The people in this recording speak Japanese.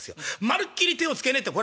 まるっきり手をつけねえって